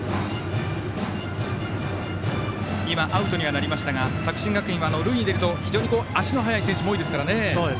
今、アウトにはなりましたが作新学院は塁に出ると非常に足の速い選手も多いですからね。